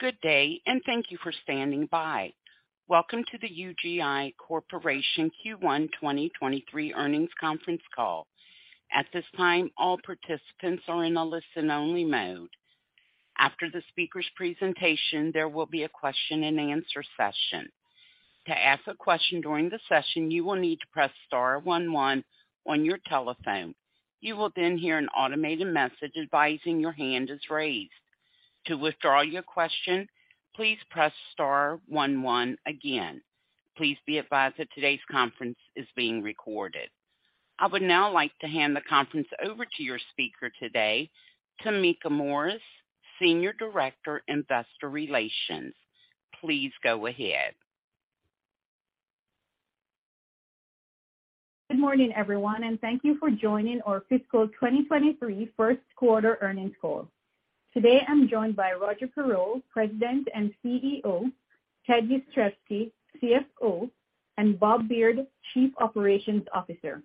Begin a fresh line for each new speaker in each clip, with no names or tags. Good day, thank you for standing by. Welcome to the UGI Corporation Q1 2023 earnings conference call. At this time, all participants are in a listen-only mode. After the speaker's presentation, there will be a question-and-answer session. To ask a question during the session, you will need to press star one one on your telephone. You will then hear an automated message advising your hand is raised. To withdraw your question, please press star one one again. Please be advised that today's conference is being recorded. I would now like to hand the conference over to your speaker today, Tameka Morris, Senior Director, Investor Relations. Please go ahead.
Good morning, everyone, and thank you for joining our fiscal 2023 1Q earnings call. Today, I'm joined by Roger Perrault, President and CEO, Ted Jastrzebski, CFO, and Robert Beard, Chief Operations Officer.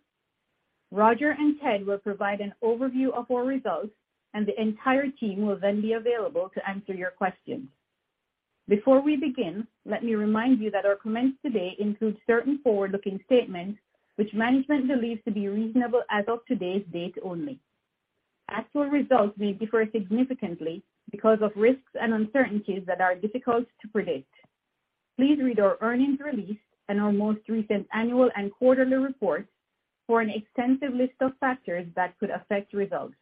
Roger and Ted will provide an overview of our results, and the entire team will then be available to answer your questions. Before we begin, let me remind you that our comments today include certain forward-looking statements which management believes to be reasonable as of today's date only. Actual results may differ significantly because of risks and uncertainties that are difficult to predict. Please read our earnings release and our most recent annual and quarterly reports for an extensive list of factors that could affect results.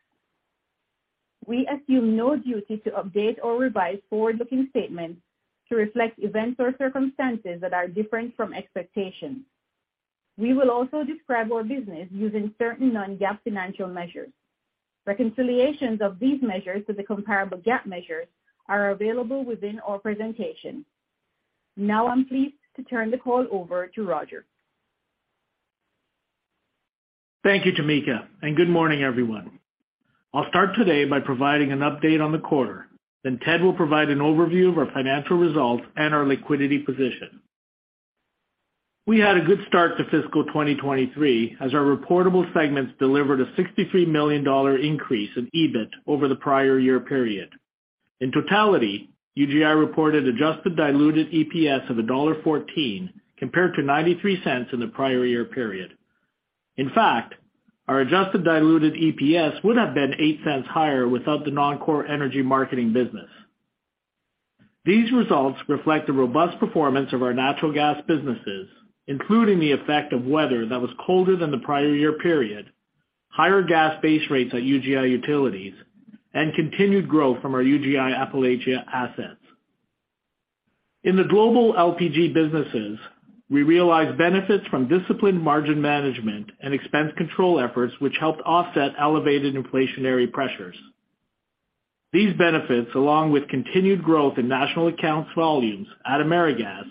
We assume no duty to update or revise forward-looking statements to reflect events or circumstances that are different from expectations. We will also describe our business using certain non-GAAP financial measures. Reconciliations of these measures to the comparable GAAP measures are available within our presentation. I'm pleased to turn the call over to Roger.
Thank you, Tameka, and good morning, everyone. I'll start today by providing an update on the quarter. Ted will provide an overview of our financial results and our liquidity position. We had a good start to fiscal 2023 as our reportable segments delivered a $63 million increase in EBIT over the prior year period. In totality, UGI reported adjusted diluted EPS of $1.14 compared to $0.93 in the prior year period. In fact, our adjusted diluted EPS would have been $0.08 higher without the non-core energy marketing business. These results reflect the robust performance of our natural gas businesses, including the effect of weather that was colder than the prior year period, higher gas base rates at UGI Utilities, and continued growth from our UGI Appalachia assets. In the global LPG businesses, we realized benefits from disciplined margin management and expense control efforts which helped offset elevated inflationary pressures. These benefits, along with continued growth in national accounts volumes at AmeriGas,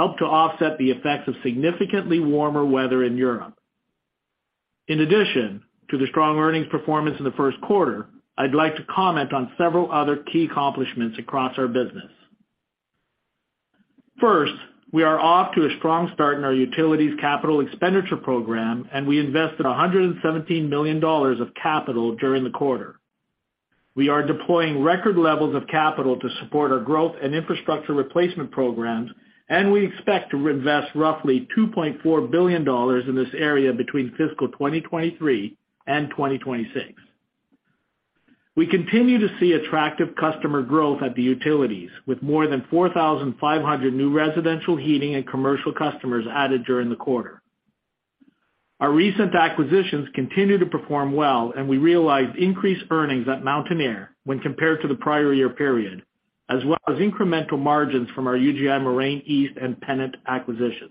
helped to offset the effects of significantly warmer weather in Europe. In addition to the strong earnings performance in the 1Q, I'd like to comment on several other key accomplishments across our business. First, we are off to a strong start in our utilities capital expenditure program, and we invested $117 million of capital during the quarter. We are deploying record levels of capital to support our growth and infrastructure replacement programs, and we expect to invest roughly $2.4 billion in this area between fiscal 2023 and 2026. We continue to see attractive customer growth at the utilities, with more than 4,500 new residential heating and commercial customers added during the quarter. Our recent acquisitions continue to perform well, and we realized increased earnings at Mountaineer when compared to the prior year period, as well as incremental margins from our UGI Moraine East and Pennant acquisitions.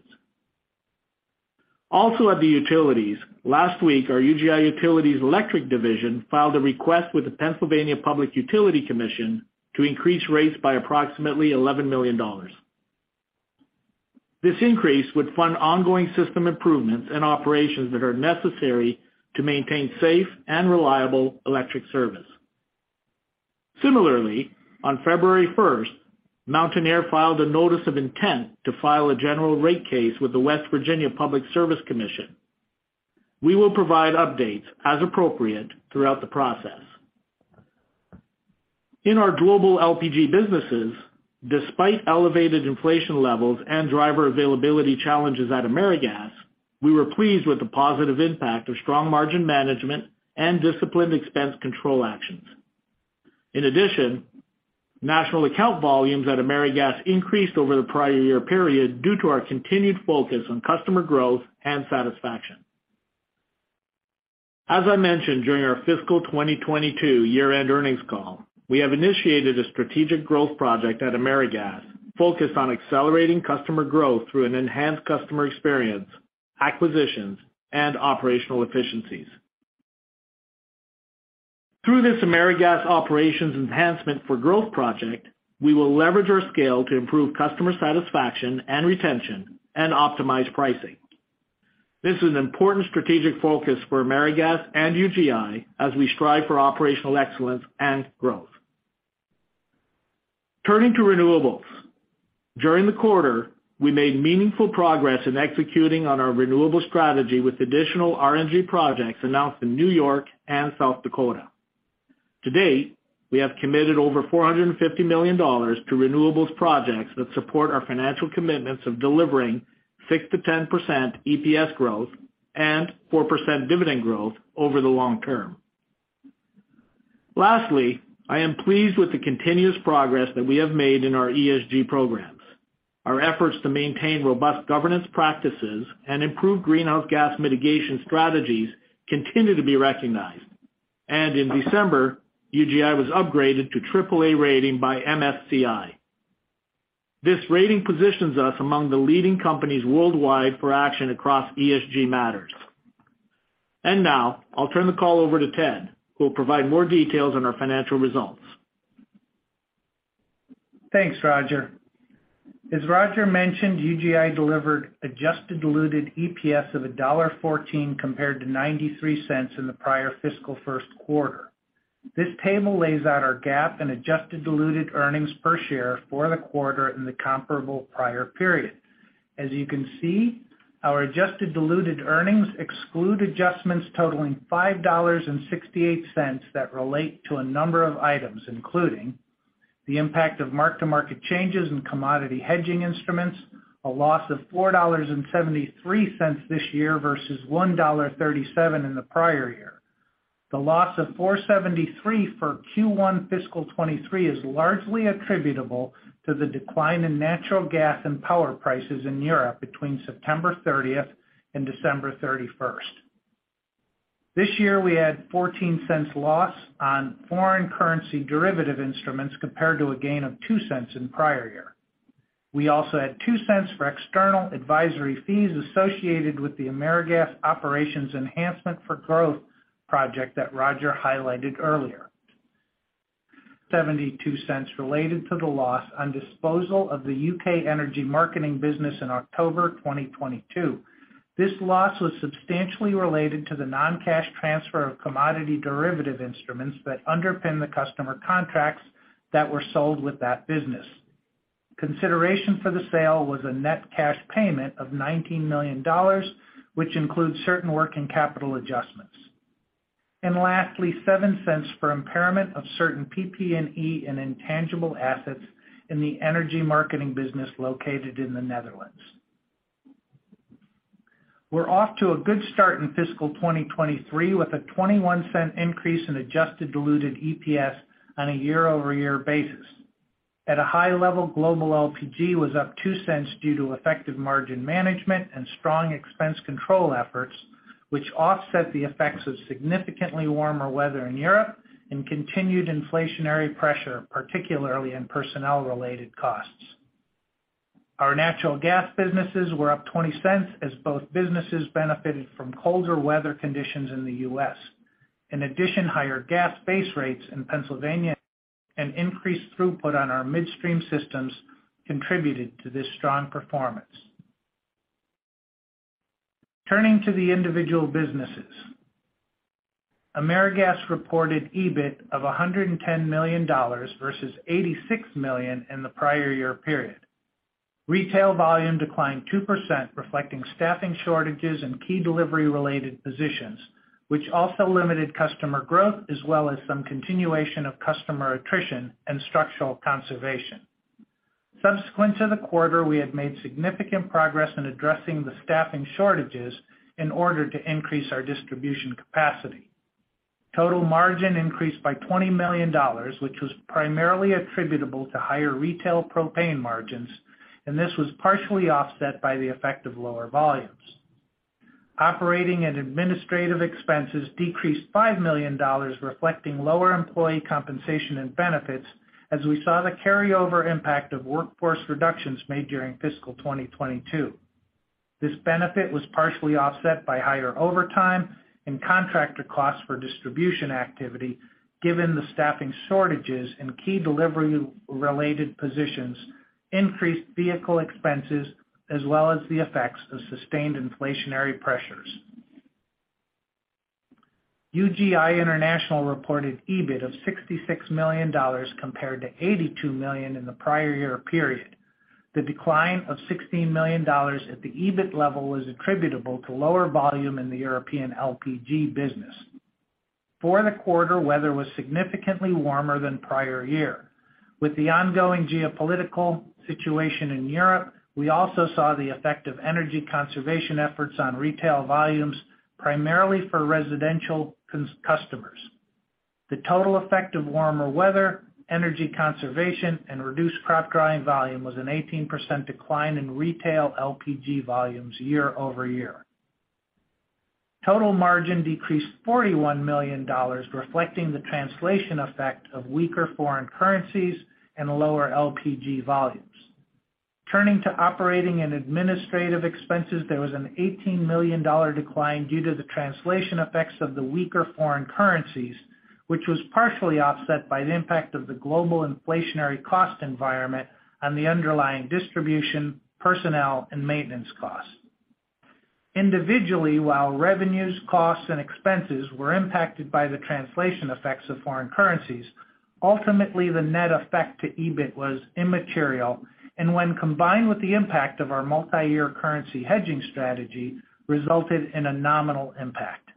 Also at the utilities, last week, our UGI Utilities electric division filed a request with the Pennsylvania Public Utility Commission to increase rates by approximately $11 million. This increase would fund ongoing system improvements and operations that are necessary to maintain safe and reliable electric service. Similarly, on February first, Mountaineer filed a notice of intent to file a general rate case with the Public Service Commission of West Virginia. We will provide updates as appropriate throughout the process. In our global LPG businesses, despite elevated inflation levels and driver availability challenges at AmeriGas, we were pleased with the positive impact of strong margin management and disciplined expense control actions. In addition, national account volumes at AmeriGas increased over the prior year period due to our continued focus on customer growth and satisfaction. As I mentioned during our fiscal 2022 year-end earnings call, we have initiated a strategic growth project at AmeriGas focused on accelerating customer growth through an enhanced customer experience, acquisitions, and operational efficiencies. Through this AmeriGas operations enhancement for growth project, we will leverage our scale to improve customer satisfaction and retention and optimize pricing. This is an important strategic focus for AmeriGas and UGI as we strive for operational excellence and growth. Turning to renewables. During the quarter, we made meaningful progress in executing on our renewable strategy with additional RNG projects announced in New York and South Dakota. To date, we have committed over $450 million to renewables projects that support our financial commitments of delivering 6%-10% EPS growth and 4% dividend growth over the long term. Lastly, I am pleased with the continuous progress that we have made in our ESG programs. Our efforts to maintain robust governance practices and improve greenhouse gas mitigation strategies continue to be recognized. In December, UGI was upgraded to AAA rating by MSCI. This rating positions us among the leading companies worldwide for action across ESG matters. Now I'll turn the call over to Ted, who will provide more details on our financial results.
Thanks, Roger. As Roger mentioned, UGI delivered adjusted diluted EPS of $1.14 compared to $0.93 in the prior fiscal 1Q. This table lays out our GAAP and adjusted diluted earnings per share for the quarter in the comparable prior period. As you can see, our adjusted diluted earnings exclude adjustments totaling $5.68 that relate to a number of items, including the impact of mark-to-market changes in commodity hedging instruments, a loss of $4.73 this year versus $1.37 in the prior year. The loss of $4.73 for Q1 fiscal 2023 is largely attributable to the decline in natural gas and power prices in Europe between September 30th and December 31st. This year we had $0.14 loss on foreign currency derivative instruments compared to a gain of $0.02 in prior year. We also had $0.02 for external advisory fees associated with the AmeriGas operations enhancement for growth project that Roger highlighted earlier. $0.72 related to the loss on disposal of the UK energy marketing business in October 2022. This loss was substantially related to the non-cash transfer of commodity derivative instruments that underpin the customer contracts that were sold with that business. Consideration for the sale was a net cash payment of $19 million, which includes certain working capital adjustments. Lastly, $0.07 for impairment of certain PP&E and intangible assets in the energy marketing business located in the Netherlands. We're off to a good start in fiscal 2023 with a $0.21 increase in adjusted diluted EPS on a year-over-year basis. At a high level, global LPG was up $0.02 due to effective margin management and strong expense control efforts, which offset the effects of significantly warmer weather in Europe and continued inflationary pressure, particularly in personnel-related costs. Our natural gas businesses were up $0.20 as both businesses benefited from colder weather conditions in the U.S. In addition, higher gas base rates in Pennsylvania and increased throughput on our Midstream systems contributed to this strong performance. Turning to the individual businesses. AmeriGas reported EBIT of $110 million versus $86 million in the prior year period. Retail volume declined 2%, reflecting staffing shortages in key delivery-related positions, which also limited customer growth as well as some continuation of customer attrition and structural conservation. Subsequent to the quarter, we have made significant progress in addressing the staffing shortages in order to increase our distribution capacity. Total margin increased by $20 million, which was primarily attributable to higher retail propane margins. This was partially offset by the effect of lower volumes. Operating and administrative expenses decreased $5 million, reflecting lower employee compensation and benefits as we saw the carryover impact of workforce reductions made during fiscal 2022. This benefit was partially offset by higher overtime and contractor costs for distribution activity, given the staffing shortages in key delivery-related positions, increased vehicle expenses, as well as the effects of sustained inflationary pressures. UGI International reported EBIT of $66 million compared to $82 million in the prior year period. The decline of $16 million at the EBIT level was attributable to lower volume in the European LPG business. For the quarter, weather was significantly warmer than prior year. With the ongoing geopolitical situation in Europe, we also saw the effect of energy conservation efforts on retail volumes, primarily for residential customers. The total effect of warmer weather, energy conservation, and reduced crop drying volume was an 18% decline in retail LPG volumes year-over-year. Total margin decreased $41 million, reflecting the translation effect of weaker foreign currencies and lower LPG volumes. Turning to operating and administrative expenses, there was an $18 million decline due to the translation effects of the weaker foreign currencies, which was partially offset by the impact of the global inflationary cost environment on the underlying distribution, personnel, and maintenance costs. Individually, while revenues, costs, and expenses were impacted by the translation effects of foreign currencies, ultimately the net effect to EBIT was immaterial and when combined with the impact of our multi-year currency hedging strategy, resulted in a nominal impact.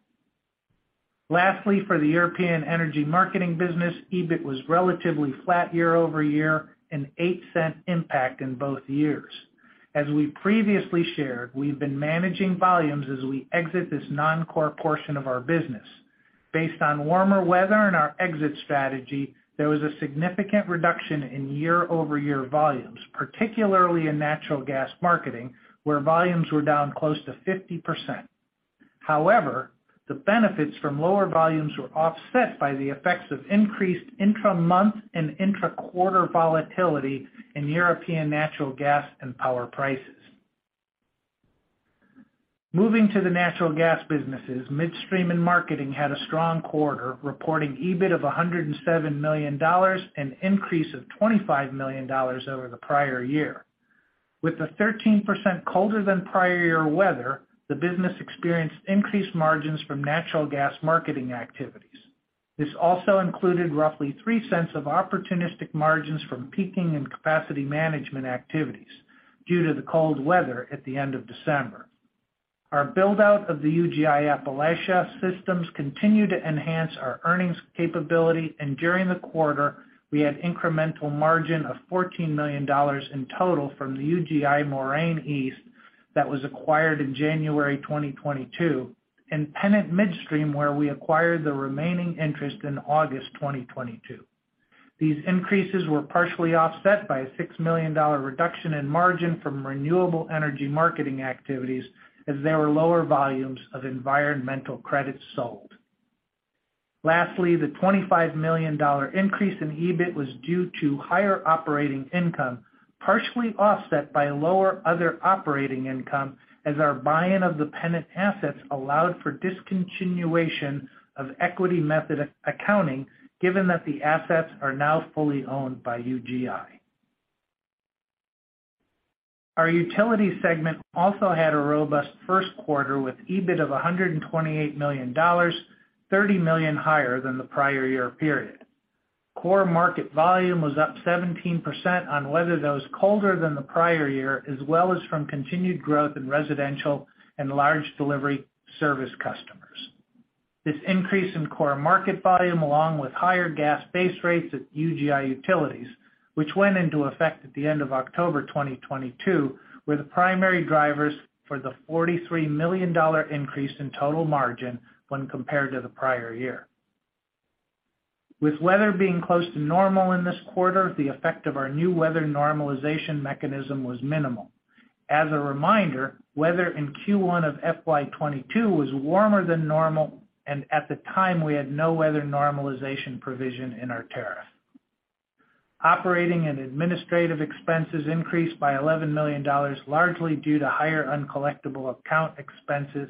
Lastly, for the European energy marketing business, EBIT was relatively flat year-over-year, a $0.08 impact in both years. As we previously shared, we've been managing volumes as we exit this non-core portion of our business. Based on warmer weather and our exit strategy, there was a significant reduction in year-over-year volumes, particularly in natural gas marketing, where volumes were down close to 50%. However, the benefits from lower volumes were offset by the effects of increased intra-month and intra-quarter volatility in European natural gas and power prices. Moving to the natural gas businesses, Midstream & Marketing had a strong quarter, reporting EBIT of $107 million, an increase of $25 million over the prior year. With the 13% colder than prior year weather, the business experienced increased margins from natural gas marketing activities. This also included roughly $0.03 of opportunistic margins from peaking and capacity management activities due to the cold weather at the end of December. Our build-out of the UGI Appalachia systems continue to enhance our earnings capability, and during the quarter, we had incremental margin of $14 million in total from the UGI Moraine East that was acquired in January 2022, and Pennant Midstream, where we acquired the remaining interest in August 2022. These increases were partially offset by a $6 million reduction in margin from renewable energy marketing activities as there were lower volumes of environmental credits sold. Lastly, the $25 million increase in EBIT was due to higher operating income, partially offset by lower other operating income as our buy-in of the Pennant assets allowed for discontinuation of equity method accounting, given that the assets are now fully owned by UGI. Our utility segment also had a robust 1Q with EBIT of $128 million, $30 million higher than the prior year period. Core market volume was up 17% on weather that was colder than the prior year, as well as from continued growth in residential and large delivery service customers. This increase in core market volume along with higher gas base rates at UGI Utilities, which went into effect at the end of October 2022, were the primary drivers for the $43 million increase in total margin when compared to the prior year. With weather being close to normal in this quarter, the effect of our new weather normalization mechanism was minimal. As a reminder, weather in Q1 of FY 2022 was warmer than normal, and at the time, we had no weather normalization provision in our tariff. Operating and administrative expenses increased by $11 million, largely due to higher uncollectible account expenses,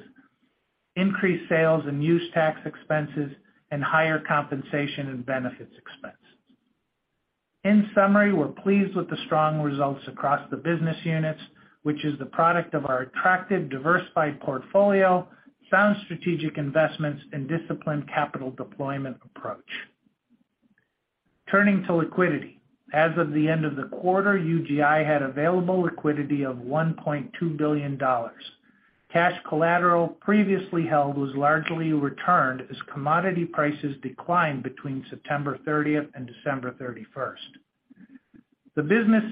increased sales and use tax expenses, and higher compensation and benefits expenses. In summary, we're pleased with the strong results across the business units, which is the product of our attractive, diversified portfolio, sound strategic investments and disciplined capital deployment approach. Turning to liquidity. As of the end of the quarter, UGI had available liquidity of $1.2 billion. Cash collateral previously held was largely returned as commodity prices declined between September 30 and December 31. The business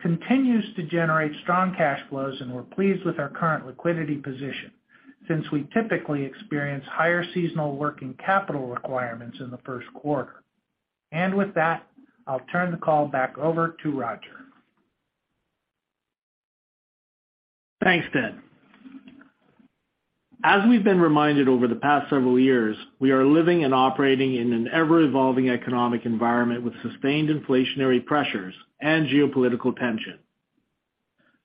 continues to generate strong cash flows, and we're pleased with our current liquidity position since we typically experience higher seasonal working capital requirements in the 1Q. With that, I'll turn the call back over to Roger.
Thanks, Ted. As we've been reminded over the past several years, we are living and operating in an ever-evolving economic environment with sustained inflationary pressures and geopolitical tension.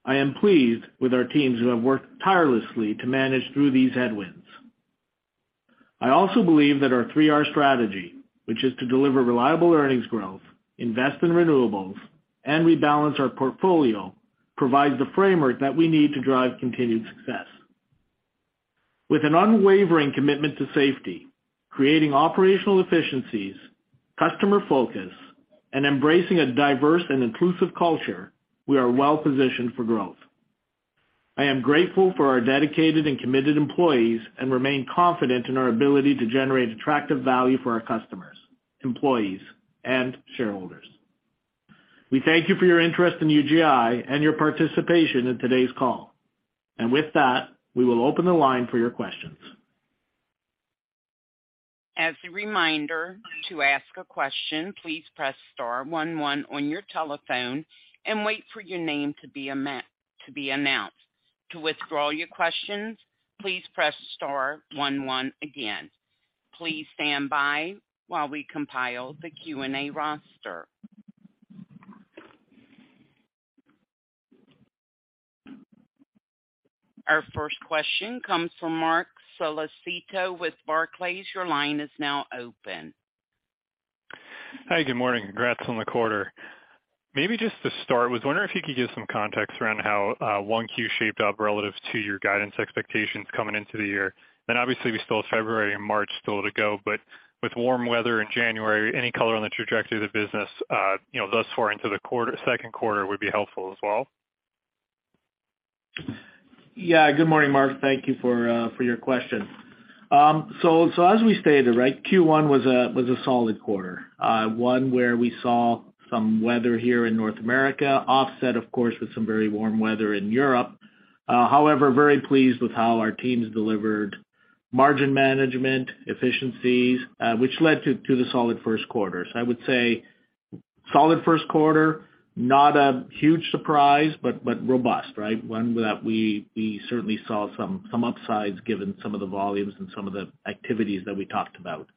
I am pleased with our teams who have worked tirelessly to manage through these headwinds. I also believe that our 3-R's strategy, which is to deliver reliable earnings growth, invest in renewables, and rebalance our portfolio, provides the framework that we need to drive continued success. With an unwavering commitment to safety, creating operational efficiencies, customer focus, and embracing a diverse and inclusive culture, we are well-positioned for growth. I am grateful for our dedicated and committed employees and remain confident in our ability to generate attractive value for our customers, employees, and shareholders. We thank you for your interest in UGI and your participation in today's call. With that, we will open the line for your questions.
As a reminder, to ask a question, please press star one one on your telephone and wait for your name to be announced. To withdraw your questions, please press star one one again. Please stand by while we compile the Q&A roster. Our first question comes from Marc Solecitto with Barclays. Your line is now open.
Hi. Good morning. Congrats on the quarter. Maybe just to start, was wondering if you could give some context around how 1Q shaped up relative to your guidance expectations coming into the year. Obviously we still have February and March still to go, with warm weather in January, any color on the trajectory of the business, you know, thus far into the second quarter would be helpful as well.
Yeah. Good morning, Marc. Thank you for your question. As we stated, right, Q1 was a solid quarter. One where we saw some weather here in North America, offset of course, with some very warm weather in Europe. Very pleased with how our teams delivered margin management efficiencies, which led to the solid 1Q. I would say solid 1Q, not a huge surprise, but robust, right? One that we certainly saw some upsides given some of the volumes and some of the activities that we talked about.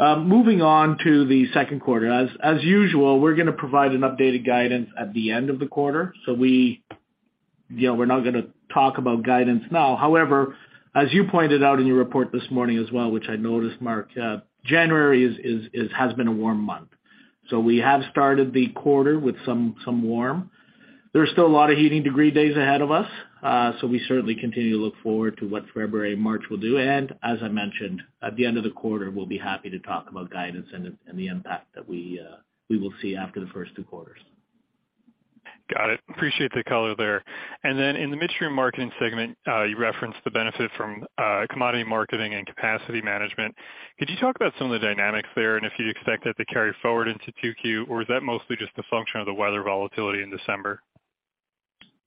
Moving on to the second quarter. As usual, we're gonna provide an updated guidance at the end of the quarter. We, you know, we're not gonna talk about guidance now. As you pointed out in your report this morning as well, which I noticed, Marc, January has been a warm month. We have started the quarter with some warm. There's still a lot of heating degree days ahead of us, so we certainly continue to look forward to what February and March will do. As I mentioned, at the end of the quarter, we'll be happy to talk about guidance and the impact that we will see after the first two quarters.
Got it. Appreciate the color there. Then in the Midstream & Marketing segment, you referenced the benefit from commodity marketing and capacity management. Could you talk about some of the dynamics there and if you expect that to carry forward into 2Q, or is that mostly just a function of the weather volatility in December?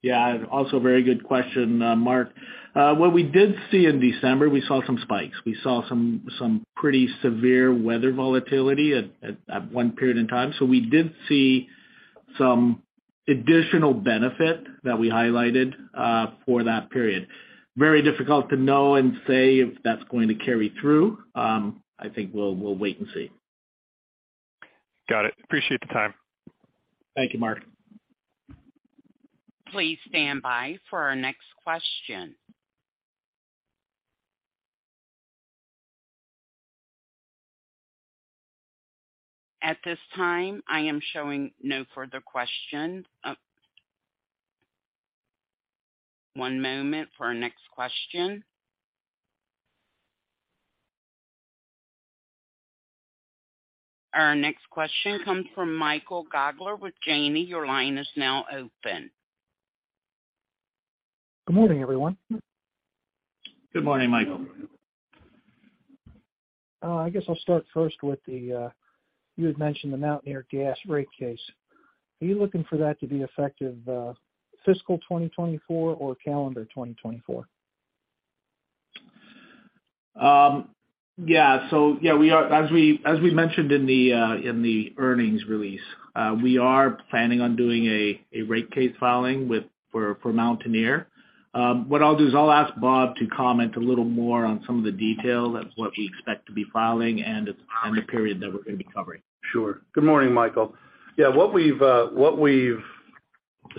Yeah. Also very good question, Marc. What we did see in December, we saw some spikes. We saw some pretty severe weather volatility at one period in time. We did see some additional benefit that we highlighted for that period. Very difficult to know and say if that's going to carry through. I think we'll wait and see.
Got it. Appreciate the time.
Thank you, Marc.
Please stand by for our next question. At this time, I am showing no further question. One moment for our next question. Our next question comes from Michael Gaugler with Janney. Your line is now open.
Good morning, everyone.
Good morning, Michael.
I guess I'll start first with the, you had mentioned the Mountaineer Gas rate case. Are you looking for that to be effective, fiscal 2024 or calendar 2024?
Yeah. Yeah, we are as we, as we mentioned in the earnings release, we are planning on doing a rate case filing for Mountaineer. What I'll do is I'll ask Bob to comment a little more on some of the detail of what we expect to be filing and the period that we're gonna be covering.
Sure. Good morning, Michael. Yeah, what we've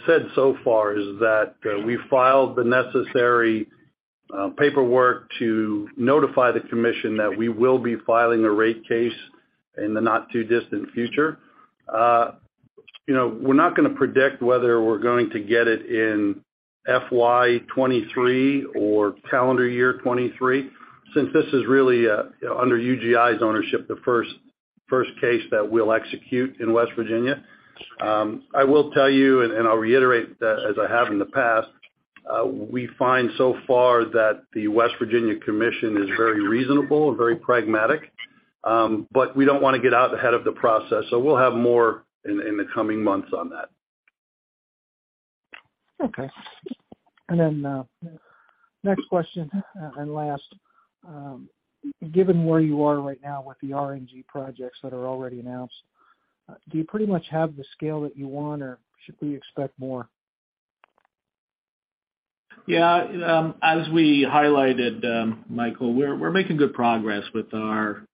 said so far is that we filed the necessary paperwork to notify the Commission that we will be filing a rate case in the not too distant future. You know, we're not gonna predict whether we're going to get it in FY 2023 or calendar year 2023, since this is really under UGI's ownership, the first case that we'll execute in West Virginia. I will tell you, and I'll reiterate as I have in the past, we find so far that the West Virginia Commission is very reasonable and very pragmatic. We don't wanna get out ahead of the process, so we'll have more in the coming months on that.
Okay. Next question and last. Given where you are right now with the RNG projects that are already announced, do you pretty much have the scale that you want, or should we expect more?
Yeah. As we highlighted, Michael, we're making good progress with our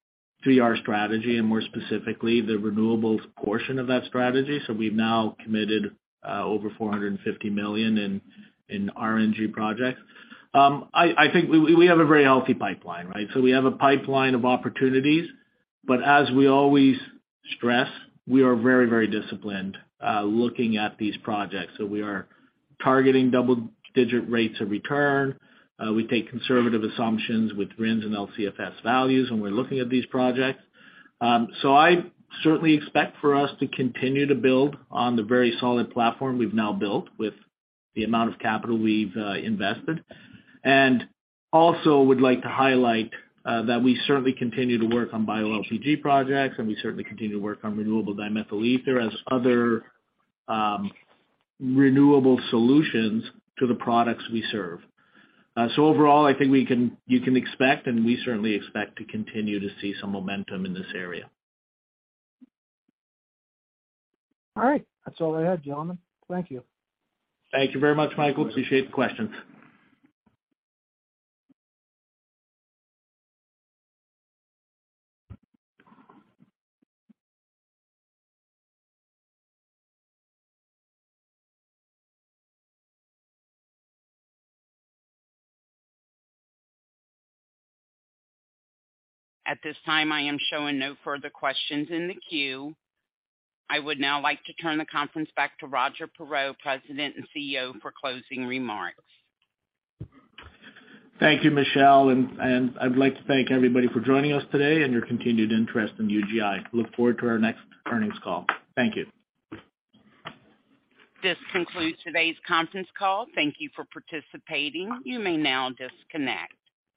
3-R's strategy and more specifically, the renewables portion of that strategy. We've now committed over $450 million in RNG projects. I think we have a very healthy pipeline, right? We have a pipeline of opportunities, but as we always stress, we are very, very disciplined looking at these projects. We are targeting double-digit rates of return. We take conservative assumptions with RINs and LCFS values when we're looking at these projects. I certainly expect for us to continue to build on the very solid platform we've now built with the amount of capital we've invested. Also would like to highlight that we certainly continue to work on bioLPG projects, and we certainly continue to work on renewable dimethyl ether as other, renewable solutions to the products we serve. Overall, I think you can expect, and we certainly expect to continue to see some momentum in this area.
All right. That's all I had, gentlemen. Thank you.
Thank you very much, Michael. Appreciate the questions.
At this time, I am showing no further questions in the queue. I would now like to turn the conference back to Roger Perreault, President and CEO, for closing remarks.
Thank you, Michelle. I'd like to thank everybody for joining us today and your continued interest in UGI. Look forward to our next earnings call. Thank you.
This concludes today's conference call. Thank you for participating. You may now disconnect.